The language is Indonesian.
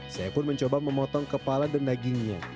saya pun mencoba memotong kepala dan dagingnya